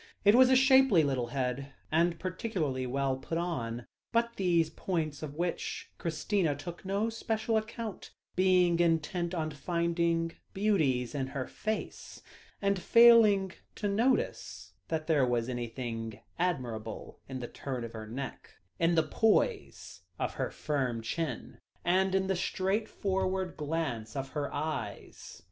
It was a shapely little head, and particularly well put on, but these were points of which Christina took no special account, being intent on finding beauties in her face, and failing to notice that there was anything admirable in the turn of her neck, in the poise of her firm chin, and in the straightforward glance of her eyes.